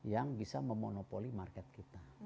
yang bisa memonopoli market kita